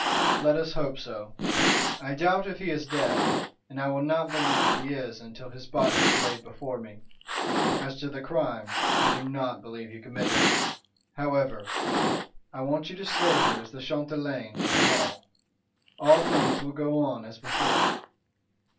"Let us hope so. I doubt if he is dead, and I will not believe he is until his body is laid before me. As to the crime, I do not believe he committed it. However, I want you to stay here as the chatelaine of the Hall. All things will go on as before."